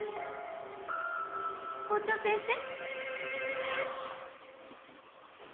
校長先生。